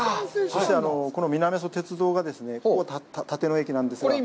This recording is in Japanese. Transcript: そして、この南阿蘇鉄道がここ、立野駅なんですが。